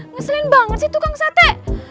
ngeselin banget sih tukang sate